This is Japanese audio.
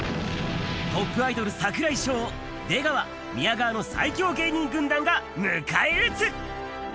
トップアイドル、櫻井翔、出川、宮川の最強芸人軍団が迎え撃つ。